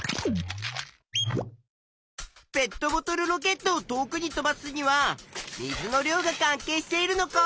ペットボトルロケットを遠くに飛ばすには「水の量が関係しているのか」